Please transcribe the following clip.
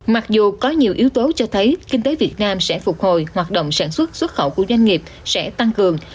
mặc dù có nhiều yếu tố cho thấy kinh tế việt nam sẽ phục hồi hoạt động sản xuất xuất khẩu của doanh nghiệp sẽ tăng cường